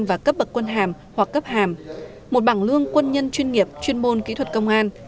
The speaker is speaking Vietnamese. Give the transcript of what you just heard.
và cấp bậc quân hàm hoặc cấp hàm một bảng lương quân nhân chuyên nghiệp chuyên môn kỹ thuật công an